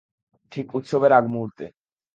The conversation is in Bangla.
ঠিক উৎসবের আগমুহূর্তে।